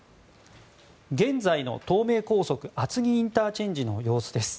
現在の東名高速厚木ＩＣの様子です。